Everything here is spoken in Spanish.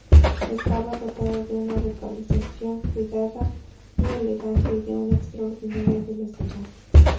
Estaba dotada de una vocalización cuidada y elegante y de una extraordinaria velocidad.